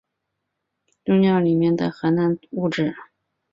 终尿里面是含氮的物质。